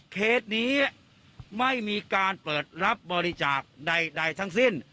เคสนี้ไม่มีการเปิดรับบริจาคใดทั้งสิ้น